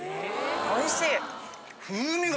おいしい。